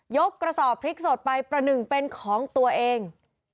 กระสอบพริกสดไปประหนึ่งเป็นของตัวเอง